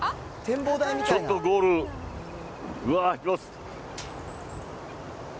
ちょっとゴール、うわー、行きます。